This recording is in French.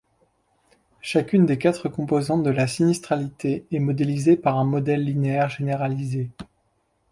Chacune des quatre composantes de la sinistralité est modélisée par un modèle linéaire généralisé.